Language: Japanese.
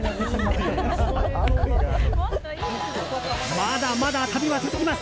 まだまだ旅は続きます。